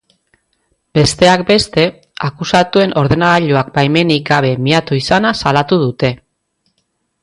Besteak beste, akusatuen ordenagailuak baimenik gabe miatu izana salatu dute.